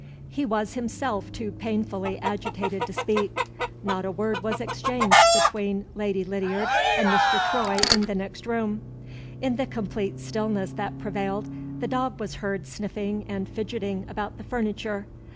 He was himself too painfully agitated to speak. Not a word was exchanged between Lady Lydiard and Mr. Troy in the next room. In the complete stillness that prevailed, the dog was heard sniffing and fidgeting about the furniture.